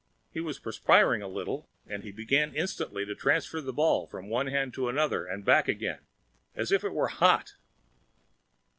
He was perspiring a little and he began instantly to transfer the ball from one hand to another and back again as if it were hot.